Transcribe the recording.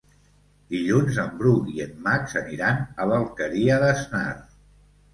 Dilluns en Bru i en Max aniran a l'Alqueria d'Asnar.